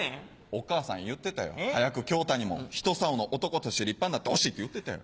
お母さん言ってたよ早くきょうたにもひと棹の男として立派になってほしいって言ってたよ。